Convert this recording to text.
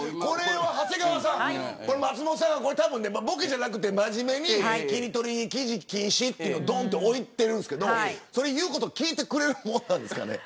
長谷川さん、松本さんはボケじゃなくて真面目にキリトリ記事禁止ってどんと置いているんですけれど言うこと聞いてくれるもんなんですかね。